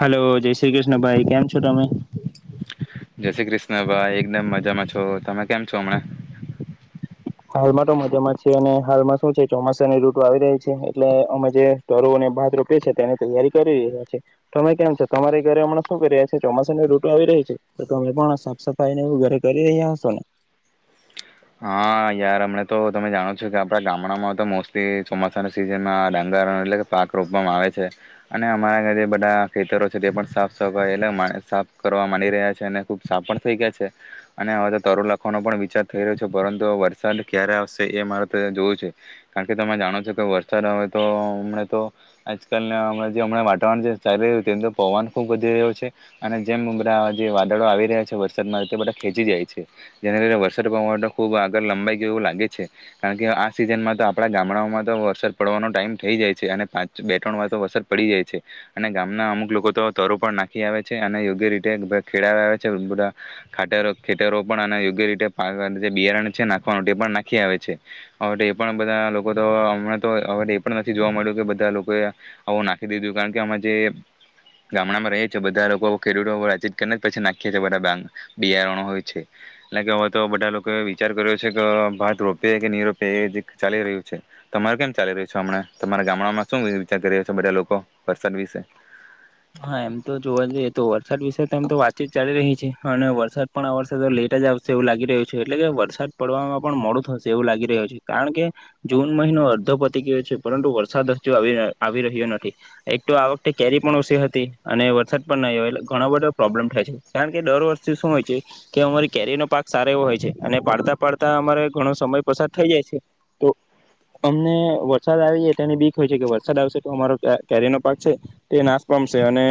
Hello જય શ્રી કૃષ્ણ ભાઈ કેમ છો તમે જય શ્રી કૃષ્ણ ભાઈ એકદમ મજામાં છો તમે કેમ છો હમણાં હાલમાં તો મજામાં જ છે અને હાલમાં શું છે ચોમાસાની ઋતુ આવી રહી છે એટલે અમે જે ટર અને ભાત રોપએ છે તેની તૈયારી કરી રહ્યા છે તમે કેમ છો તમારી ઘરે હમણા શું કરી્યા છ છે ચોમાસાની ઋતુ આવી રહી છે તો તમે પણ સાફ સફાઈને એવુ ઘરે કરી રહ્યા હશો ને હા યાર હમણાં તો તમે જાણો છો કે આપણા ગામડામાં તો મોસ્ટલી ચોમાસાના સિઝનમાં ડાંગર એટલે કે પાક રોપવામાં આવે છે અને અમારા ઘ જે બધા ખેતરો છે તે પણ સાફ સફય એટલે મા સાફ કરવા માંડી રહ્યા છે અને ખૂબ સાફ પણ થઈ ગયા છે અને આ બધા તારુ લખવાનો પણ વિચાર થઈ રહ્યો છે પરંતુ વરસાદ ક્યારે આવશે એ મારે તો જોવું છે કારણ કે તમે જાણો છો કે વરસાદ આવે તો હમણાં તો આજકાલના હણાં જે હમણાં વાતાવરણ જે ચાલી રહ્યું તેમ તો પવવાન ખૂબ વધી રહ્યું છે અને જેમ બધાં જે વાદળો આવી રહ્યા છે વરસાદમાં તે બધા ખેંચી જાય છે જેને લીધે વરસાદ અસર પવા ખૂબ આગળ લંબાઈ ગય એવું લાગે છે કારણ કે આ સિઝનમાં તો આપણા ગામડાઓમાં તો વસર પડવાનો ટાઈમ થઈ જાય છે અને પાંચ બે ત્રણ વાર તો વરસર પડી જાય છે અને ગામના અમુક લોકો તો તરો પણ નાખી આવે છે અને યોગ્ય રીતે ખેડા આવે છે બધા ખારો ખેતરો પણ અને યોગ્ય રીતે જે બિયારણ છે નાખવાનું પણ નાખી આવે છે હવે એ પણ બધા લોકો તો હમણાં તોવે એ પણ નથી જોવા મળ્યું કે બધા લોકો આવું નાખી દીધું કારણ કે આમાં જે ગામડામાં ર છે બધા લોકો ખેડૂતો વાચત કરીને પછી નાખીએ બધાંગ બિયારણો હોય છે એટલે કે તો બધા લોકોએ વિચાર કર્યો છે કે ભારત રોપે કે નહી રોપ એ જે ચાલી રહ્યું છે તમારું કેમ ચાલી રહ્યું છે હમણાં તમારા ગામડામાંમાં શું વિચાર કરી રહ્યો છે બધા લોકો વરસાદ વિશે હા એમ તો જોવા જઈએ તો વરસાદ વિશે તો આમ તો વાતચીત ચાલી રહી છે અને વરસાદ પણ આ વર્ષે તો લેટ જ આવશે એવું લાગી રહ્યું છે એટલે કે વરસાદ પડવામાં પણ મોડું થશે એવું લાગી રહ્યું છે કારણ કે જૂન મહિનો અડધો પતી ગયો છે પરંતુ વરસાદ હજુ આવી આવી રહ્યો નથી એક તો આ વખતે કેરી પણ હશી હતી અને વરસાદ પણ નહી આવે એટલે ઘણા બધા પ્રોબ્લેમ થાય છે કારણ કે દર વર્ષથી શું હોય છે કે અમારી કેરી નો પાક સારો એવો હોય છે અને પાડતા પાડતા અમારે ઘણો સમય પસાર થઈ જાય છે તો અમને વરસાદ આવી તેની બીક હોય છે કે વરસાદ આવશે તો અમારો કેરી નો પાક છે તે નાશ નાશ પામશે અને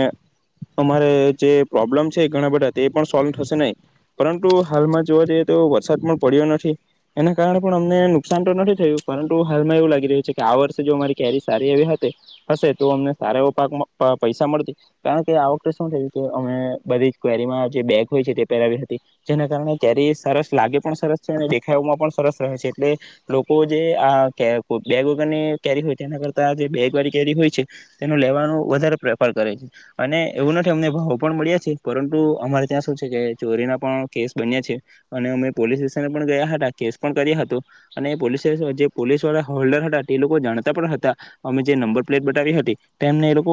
અમારે જે પ્રોબ્લેમ છે ઘણા બધા તે પણ સોલ્વ થશે નહી પરંતુ હાલમાં જોવા જઈએ તો વરસાદ પણ પડ્યો નથી એના કારણે પણ અમને નુકસાન તો નથી થયું પરંતુ હાલમાં એવું લાગી રહ્યું છે કે આ વર્ષે જો અમારી કેરી સારી આવી હતી હશે તો અમને સારા એવો પાકમાં પૈસા મળતી કારણ કે આ વખતે શું થયું કે અમે બધી જ કરીમાં જે બેગ હોય છે તે પહેરાવી હતી જેના કારણે કેરી સરસ લાગે પણ સરસ છે અને દેખામાં પણ સરસ રહે છે એટલે લોકો જે આ બેગ વગરની કેરી હોય તેના કરતા જે બેગ વાળી કેરી હોય છે તેનું લેવાનું વધારે પ્રેફર કરે છે અને એવું નથી અમને ભાવો પણ મળ્યા છે પરંતુ અમારે ત્યાં શું છે કે ચોરીના પણ કેસ બન્યા છે અને અમે પોલીસ સ્ટેશન પણ ગયા હતા કેસ પણ કર્યા હતો અને પોલીસ સ જે પોલીસ વાળા હોલ્ડર હતા તે લોકો જાણતા પણ હતા અમે જે નંબર પ્લેટ બતાવી હતી તેમને એ લોકો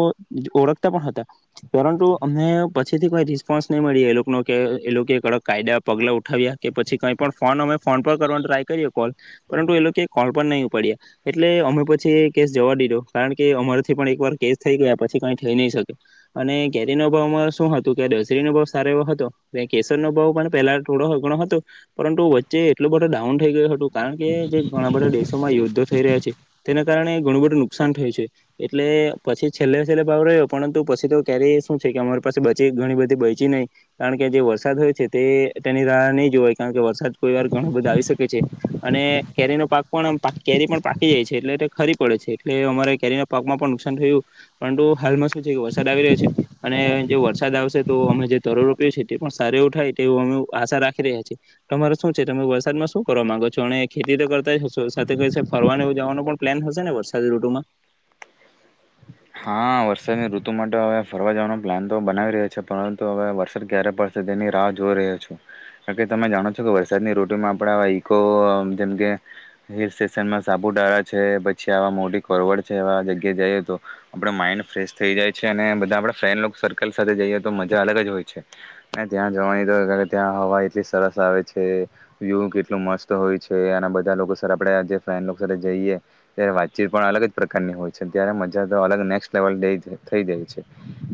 ઓળખતા પણ હતા પરંતુ અને પછીથી કોઈ રિસ્પોન્સ નહી મળી એ લોકો ન કે એ લોકો કડક કાયદા પગલા ઉઠાવ્યા કે પછી કઈ પણ ફોન અમે ફોન પર કરવા ટ્રાય કરીએ કોલ પરંતુ એ લોકો કોલ પર નહી ઉપાડ્યા એટલે અમે પછી એ કેસ જવા દીધો કારણ કે અમારથી પણ એકવાર કેસ થઈ ગયા પછી કંઈ થઈ નહી શકે અને કેરીનો ભાવમાં શું હતું કે આ ડસરીનો ભાવ સારો એવો હતો કે કેસરનો ભાવ પણ પહેલા થોડો ઘણો હતો પરંતુ વચ્ચે એટલો બધો ડાઉન થઈ ગયો હતું કારણ કે જે ઘણા બધા દેશોમાં યોુદ્ધો થઈ રહ્યા છે તેના કારણે ઘણું બધું નુકસાન થયું છે એટલે પછી છેલ્લે છેલ્લે ભાવ રહ્યો પરંતુ પછી તો કેરી શું છે કે અમારી પાસે બચી ઘણી બધી બચી નહીં કારણ કે જે વરસાદ હોય છે તેની રાહ નહીં જોવાય કારણ કે વરસાદ કોઈ વાર ઘણો બધો આવી શકે છે અને કેરીનો પાક પણ કેરી પણ પાકી જાય છે એટલે તે ખરી પડે છે એટલે અમારે કેરીના પાકમાં પણ નુકસાન થીયુ પરંતુ હાલમાં શું છે વરસાદ આવી રહ્યો છે અને જે વરસાદ આવશે તો અમે જે તરુ રોપ્યે છે તે પણ સારું એવું થાય તેવુ અમે આશા રાખી રહ્યા છે તમારે શું છે તમે વરસાદમાં શું કરવા માંગો છો અને ખેતી તો કરતાય હશો સાથે કશે ફરવા ને એવું જવાનો પણ પ્લેન હશે ને વરસાદ ઋતુમાં હા વરસાદની ઋતુ માટ હવે ફરવા જવાનો પ્લાન તો બનાવી રહ્યો છે પરંતુ હવે વરસાદ ક્યારે પડશે તેની રાહ જોઈ રહ્યો છુ કારણ કે તમે જાણો છો કે વરસાદની ઋતુમાં આપણે આવા ઈકો જેમકે હિલ સ્ટેશનમાં સાપુતળા છે પછી આવા મોટી કરવડ છે એવા જગ્યા જઈએ તો આપણા માઇન્ડ ફ્રેશ થઈ જાય છે અને બધા આપડા ફ્રેન્ડ લોક સર્કલ સાથે જઈએ તો મજા અલગ જ હોય છે અને ત્યાં જવાની તો ત્યાં હવા એટલી સરસ આવે છે વ્યુ કેટલું મસ્ત હોય છે અને બધા લોકો સર આપડે જે ફ્રેન્ડ સાથે જઈએ ત્યારે વાતચીત પણ અલગ જ પ્રકારની હોય છે ત્યારે મ મજા તો અલગ નેક્સ્ટ લેવલ દેય છે થઈ જાય છે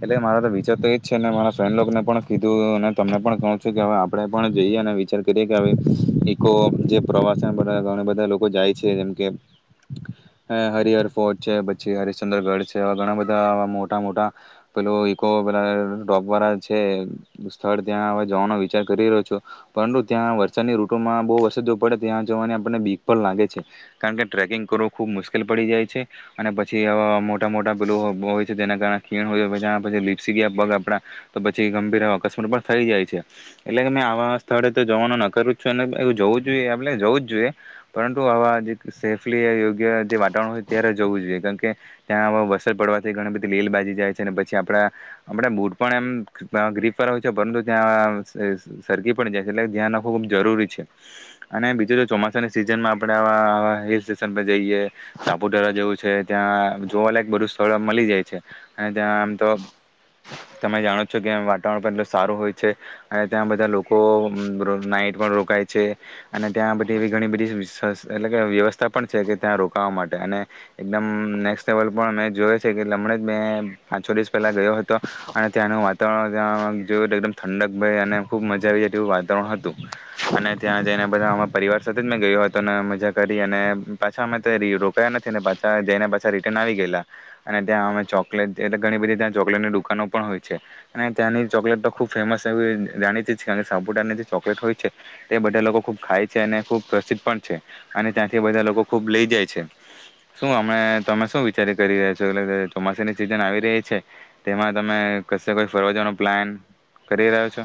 એટલે મારો તો વિચાર તો એ જ છે ને મારા ફ્રેન્ડ લોકોને પણ કીધું અને તમને પણ કવ છું કે અવે આપડે પણ જઈએ અને વિચાર કરીએ કે અવે ઇકો જે પ્રવાસે બધા ઘણા બધા લોકો જાય છે જેમ કે હે હરિહર ફોર્ટ છે પછી હરીસ ચંદ્રગઢ છે એવા ઘણા બધા આવા મોટા મોટા પેલો ઇકો પેલા રોપ વાળા છે સ્થળ ત્યાં હવે જવાનો વિચાર કરી રહ્યો છું પરંતુ ત્યાં વરસાદની ઋટુમાં બહુ વરસાદો પડે ત્યાં જવાની આપણને બીક પણ લાગે છે કારણ કે ટ્રેકિંગ કરવું ખૂબ મુશ્કેલ પડી જાય છે અને પછી થી આવા મોટા મોટા પેલુ બહોય છે જેના કારણે ખીણ હોય બધા પછી લિપ્સી ગયા પગ આપણા તો પછી ગંભીર અકસ્માત પણ થઈ જાય છે એટલે કે મેં આવા સ્થળે તો જવાનું નકારુ છુ અને એ જવું જ જોઈએ આપલે જવું જ જોઈએ પરંતુ આવા જે સેફલી યોગ્ય જે વાતાવરણ હોય ત્યારે જવું જ જોઈએ કાર કે ત્યાં આ વરસાદ પડવાથી ઘણી બધી લીલબાજી જાય છે અને પછી આપણા આપણા બૂટ પણ એમ અ ગ્રીફવાળા હોય છે પરંતુ ત્યાં સ સરકી પણ જાય છે એટલે ધ્યાન રાખવું ખૂબ જરૂરી છે અને બીજું જો ચોમાસાની સિઝનમાં આપણે આવા હિલ સ્ટેશન પર જઈએ સાપુતારા જેવું છે ત્યાં જોવા લાયક બધું સ્થળ મલી જાય છે અને ત્યાં આમ તો તમે જાણો છો કે વાતાવરણ પણ એટલું સારું હોય છે અને ત્યાં બધા લોકો નાઈટ પણ રોકાય છે અને ત્યાં બધી એવી ઘણી બધી સસ એટલે કે વ્યવસ્થા પણ છે કે ત્યાં રોકાવા માટે અને એકદમ નેક્સ્ટ લેવલ પણ મેં જોય છે કે હમણા જ મેં પાંચ છો દિવસ પહેલા ગયો હતો અને ત્યાંનું વાતાવરણ ત્યાં જોયું તો એકદમ ઠંડક ભય અને ખૂબ મજા આવી જાય તેવું વાતાવરણ હતું અને ત્યાં જઈને બધા અમારા પરિવાર સાથે જ મેં ગયો હતો અને મજા કરી અને પાછા અમે તરીયુ રોકાયા નથી ને ત્યા જઈને પાછા રિટર્ન આવી ગયેલા અને ત્યાં અમે ચોકલેટ એ ઘણી બધી ત્યાં ચોકલેટની દુકાનો પણ હોય છે અને ત્યાંની ચોકલેટ તો ખૂબ ફેમસ એવી જાણીતી જ કારણ કે સાપુતારની જે ચોકલેટ હોય છે તે બધા લોકો ખૂબ ખાય છે અને ખૂબ પ્રસિદ્ધ પણ છે અને ત્યાંથી બધા લોકો ખૂબ લઈ જાય છે. શું હમણે તમે શું વિચારી કરી રહ્યા છો એટલે ચોમાસાની સિઝન આવી રહી છે તેમાં તમે કશે કોઈ ફરવાજવાનો પ્લાન કરી રહ્યો છો.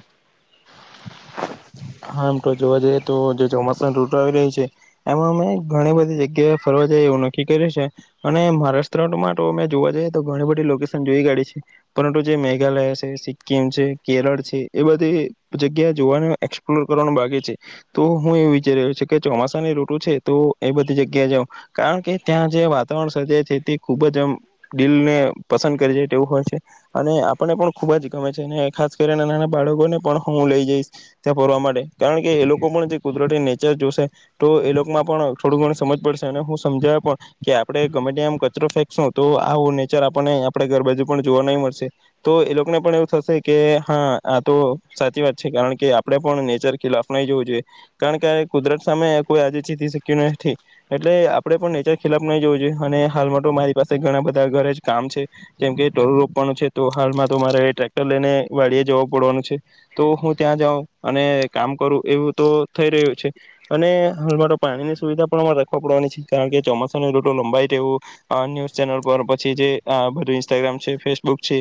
હા એમ તો જોવા જઈએ તો જે ચોમાસાની ઋતુ આવી રહી છે એમાં અમે ઘણી બધી જગ્યાએ ફરવા જઈએ એવું નક્કી કર્યું છે અને મહારાષ્ટ્રમાં તો અમે જોવા જઈએ તો ઘણી બધી લોકેશન જોઈ કાધી છે પરંતુ જે મેઘાલય છે સિક્કિમ છે કેરળ છે એ બધી જગ્યા જોવાનું એકસ પલોર કરવાનું બાકી છે તો હું એવું વિચારી રહ્યો છુ કે ચોમાસાની ઋતુ છે તો એ બધી જગ્યા જાઉં કારણ કે ત્યાં જે વાતાવરણ સર્જાય છે તે ખૂબ જ આમ દિલને પસંદ કરી જાય તેવું હોય છે અને આપણને પણ ખૂબ જ ગમે છે ને ખાસ કરીને નાના બાળકોને પણ હું લઈ જઈશ ત્યાં ફરવા માટે કારણ કે એ લોકો પણ જે કુદરતી નેચર જોશે તો એ લોકમાં પણ થોડું ઘણુ સમજ પડશે અને હું સમજાવા પણ કે આપણે ગમે ત્યા આમ કચરો ફેંકશું તો આવુ નેચર આપણને આપણે ઘર બાાજુ પણ જોવા નહીં મળશે તો એ લોકોને પણ એવું થશે કે હા આ તો સાચી વાત છે કારણ કે આપ આપણે પણ નેચર ખિલાફ નહી જોવું જોઈએ કારણ કે કુદરત સામે કોઈ આજે જીતી શક્યું નથી એટલે આપડે પણ નેચર ખિલાફ નહી જોવું જોઈએ અને હાલમાં તો મારી પાસે ઘણા બધા ઘરે જ કામ છે જેમ કે તરુ રોપવાનું છે તો હાલમાં તો મારે ટ્રેક્ટર લઈને વાડીએ જવું પડવાનું છે તો હું ત્યાં જાઉં અને કામ કરું એવું તો થઈ રહ્યું છે અને હાલમાં તો પાણીની સુવિધા પણ અમારે રાખવા પડવાની છે કારણ કે ચોમાસાની ઋતુ લંબાઈ તેવુ અ ન્યુઝ ચેનલ પર પછી જે આ બધી ઇન્સ્ટાગ્રામ છે ફેસબુક છે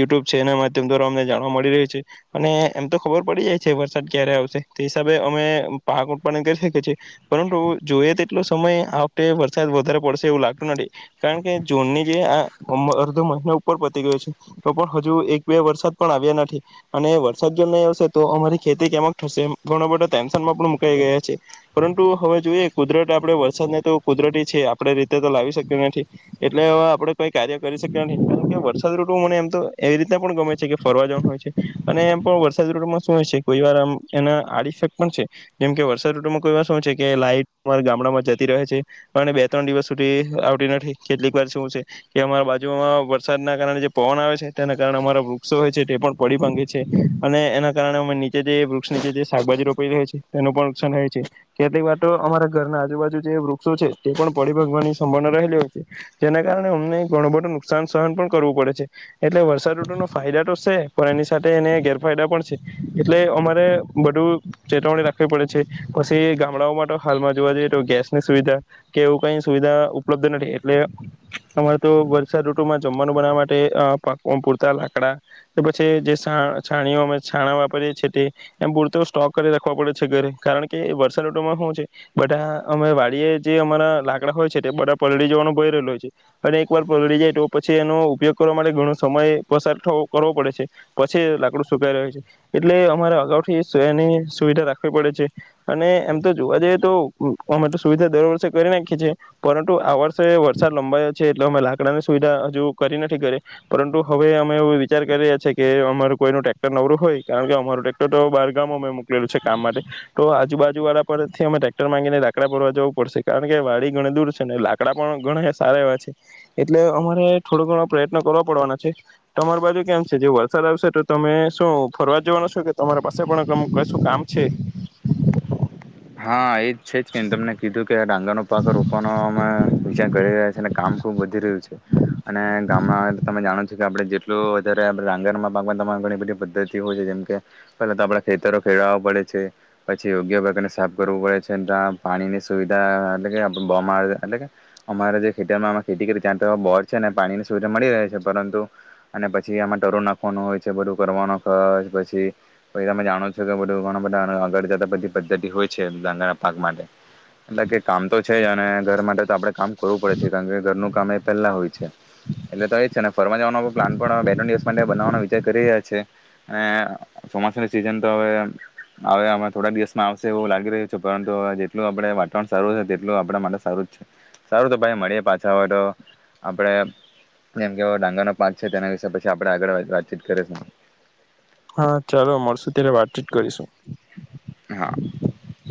યુટ્યુબ છે એના માધ્યમ દ્વારા અમને જાણવા મળી રહ્યું છે અને એમ તો ખબર પડી જાય છે વરસાદ ક્યારે આવશે તે હિસાબે અમે પાક ઉત્પાદન કરી શકીએ છે પરંતુ જોઈએ તેટલો સમય આ વખતે વરસાદ વધારે પડશે એવું લાગતું નથી કારણ કે જુનની જે આ અમ અર્ધો મહિનો ઉપર પતી ગયો છે તો પણ હજુ એક બે વરસાદ પણ આવ્યા નથી અને વરસાદ જો નહીં આવશે તો અમારી ખેતી કેમક થશે ઘણો બધો ટેન્શનમાં પણ મુકાઈ ગયા છે પરંતુ હવે જોઈએ કુદરત આપણે વરસાદને તો કુદરતી છે આપણે રીતે તો લાવી શક્તુ નથી એટલે અવે આપણે કઈ કાર્ય કરી શક્તા નથી કારણ કે વરસાદ ઋતુ મને એમ તો એવી રીતના પણ ગમે છે કે ફરવા જવાનું હોય છે અને એમ પણ વરસાદ ઋતુમાં શું હોય છે કોઈ વાર આમ એના આડ ઇફેક્ટ પણ છે જેમ કે વરસાદ ઋતુમાં કોઈ વાર શું છે કે લાઈટ અમારા ગામડામાં જતી રહે છે અને બે ત્રણ દિવસ સુધી આવતી નથી કેટલીક વાર શું છે કે અમારા બાજુમાં વરસાદના કારણે જે પવન આવે છે તેના કારણે અમારા વૃક્ષો હોય છે તે પણ પડી ભાગે છે અને એના કારણે અમે ની તે જે વૃક્ષ નીચે જે શાકભાજી રોપેલી હોય છે તેનું પણ નુકસાન હોય છે કેટલીક વાર તો અમારા ઘરના આજુબાજુ જે વૃક્ષો છે તે પણ પડી ભાંગવાની સંભાવના રહેલી હોય છે જેના કારણે અમને ઘણું બધું નુકસાન સહન પણ કરવું પડે છે એટલે વરસાદ ઋતુ નો ફાયદા તો છે પણ એની સાથે એને ગેરફાયદા પણ છે. એટલે અમારે બધું ચેતવણી રાખવી પડે છે પછી ગામડાઓમાં તો હાલમાં જોવા જઈએ તો ગેસની સુવિધા કે એવું કઈ સુવિધા ઉપલબ્ધ નથી એટલે અમારે તો વરસાદ ઋતુમાં જમવાનું બનાવા માટે અ પાક અમ પૂરતા લાકડા કે પછી જે છા છાણીઓ અમે છાણા કરે છે તે એમ પૂરતો સ્ટોક કરી રાખવા પડે છે ઘરે કારણ કે વરસાદ ઋતુમાં હુ છે બધા અમે વાડીએ જે અમારા લાકડા હોય છે તે બધા પલળી જવાનું ભય રહેલુ હોય છે અને એક વાર પલળી જાય તો પછી એનો ઉપયોગ કરવા માટે ઘણો સમય પસાર થ કરવો પડે છે પછી લાકડું સુકાઈ રહે છે. એટલે અમારે અગાઉથી સેની સુવિધા રાખવી પડે છે અને એમ તો જોવા જઈએ તો અમે તો સુવિધા દર વર્ષે કરી નાખીએ છીએ પરંતુ આ વર્ષે વરસાદ લંબાયો છે એટલે અમે લાકડાની સુવિધા હજુ કરી નથી ઘરે પરંતુ હવે અમે એવુ વિચાર કરીએ છે કે અમાર કોઈનું ટ્રેક્ટર નવરું હોય કારણ કે અમારું ટ્રેક્ટર તો બાર ગામ અમે મોકલેલું છે કામ માટે તો આજુ બાાજુ વાળા પરથી અમે ટેક્ટર માંગીને લાકડા ભરવા જવું પડશે કારણ કે વાડી ઘણી દૂર છે અને લાકડા પણ ઘણા સારા એવા છે એટલે અમારે થોડો ઘણો પ્રયત્ન કરવો પડવાના છે તમાર બાજુ કેમ છે જે વરસાદ આવશે તો તમે શું ફરવા જવાનું છે કે તમારી પાસે પણ એમ કશું કામ છે. હા એજ છે જ કેની તમને કીધું કે ડાંગરનો પાક રોપવાનો અમે વિચાર કરી રહ્યા છે અને કામ ખુબ વધી રહ્યું છે અને ગામમાં તમે જાણો છો કે આપણે જેટલું વધારે આપણે ડાંગરમાં પાકમાં તમારે ઘણી બધી પદ્ધતિ હોય છે જેમ કે પેલા તો આપડે ખેતરો ખેળવા પડે છે પછી યોગ્ય પ્રકારની સાફ કરવું પડે છે ને ત્યાં પાણીની સુવિધા એટલે કે આપણે બરમા એટલે કે અમારે જે ખેતરમાં અમે ખેતી કરી ત્યાં તો બોર છે ને પાણીની સુવિધા મળી રહે છે પરંતુ અને પછી આમાં તરુ નાખવાનું હોય છે બધું કરવાનો ખર્ચ પછી પછી તમે જાણો છો કે બધું ઘણા બધા આગળ આગળ જતા બધી પદ્ધતિ હોય છે ડાંગરના પાક માટે એટલે કે કામ તો છે જ અને ઘર માટે તો આપણે કામ કરવું પડે છે કારણ કે ઘરનું કામ એ પહેલાં હોય છે. એટલે તો એ છે ને ફરવા જવાનો પ્લાન પણ બે ત્રણ દિવસ માટે બનાવવાનો વિચાર કરી રહ્યા છે અને ચોમાસાનું સિઝન તો હવે આવે અમે થોડાક દિવસમાં આવશે એવું લાગે લાગી રહ્યું છે પરંતુ અવે જેટલું આપણે વાતાવરણ સારું છે તેટલું આપણા માટે સારું જ છે સારું તો ભાઈ મળીએ પાછા હોય તો આપણે જેમ કે ડાંગરનો પાક છે તેના વિશે પછી આપણે આગળ વાત વાતચીત કરીશું. હા ચાલો મળશુ ત્યારે વાતચીત કરીશું. હા